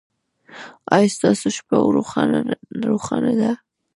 ایا ستاسو شپه روښانه ده؟